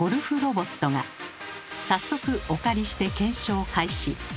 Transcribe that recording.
早速お借りして検証開始。